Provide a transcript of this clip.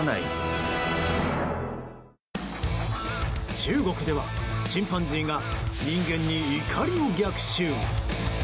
中国では、チンパンジーが人間に怒りの逆襲。